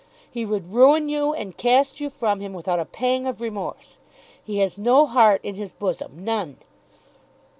He would ruin you and cast you from him without a pang of remorse. He has no heart in his bosom; none."